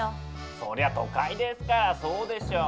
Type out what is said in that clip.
そりゃ都会ですからそうでしょう。